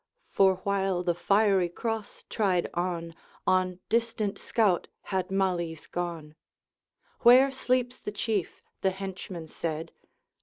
For while the Fiery Cross tried on, On distant scout had Malise gone. 'Where sleeps the Chief?' the henchman said.